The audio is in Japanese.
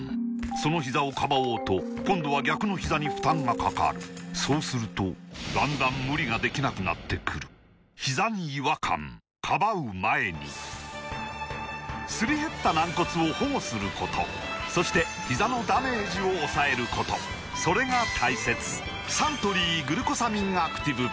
そのひざをかばおうと今度は逆のひざに負担がかかるそうするとだんだん無理ができなくなってくるすり減った軟骨を保護することそしてひざのダメージを抑えることそれが大切サントリー「グルコサミンアクティブ」